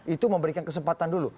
itu memberikan kesempatan dulu